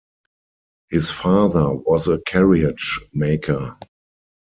His father was a carriage maker.